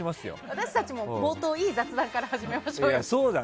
私たちも冒頭いい雑談から始めましょうよ。